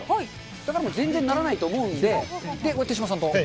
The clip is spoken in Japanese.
だからもう全然ならないと思うんで、手嶋さんと。